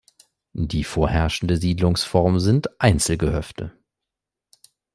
Die vorherrschende Siedlungsform sind Einzelgehöfte.